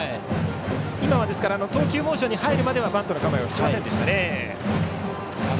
今は投球モーションに入る前バントの構えはしませんでした。